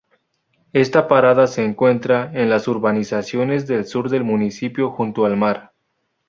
Esta parada se encuentra en las urbanizaciones del sur del municipio junto al mar.